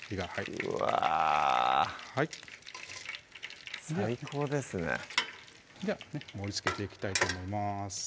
うわぁはい最高ですねでは盛りつけていきたいと思います